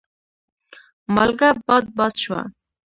مالګه باد باد شوه.